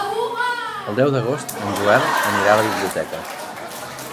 El deu d'agost en Joel anirà a la biblioteca.